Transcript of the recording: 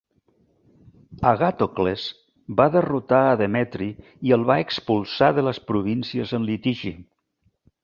Agàtocles va derrotar a Demetri i el va expulsar de les províncies en litigi.